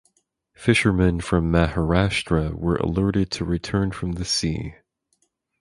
Fishermen from Maharashtra were alerted to return from the sea.